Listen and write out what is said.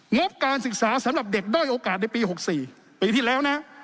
งบการศึกษาสำหรับเด็กด้อยโอกาสในปี๖๔ปีที่แล้วนะ